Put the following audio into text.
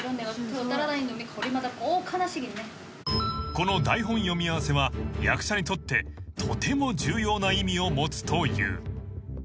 ［この台本読み合わせは役者にとってとても重要な意味を持つという］